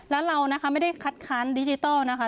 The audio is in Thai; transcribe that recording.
แล้วเรานะคะไม่ได้คัดค้านดิจิทัลนะคะ